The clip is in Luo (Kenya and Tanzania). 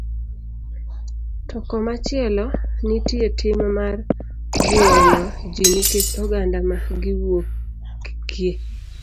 To komachielo, nitie tim mar buono ji nikech oganda ma giwuokie.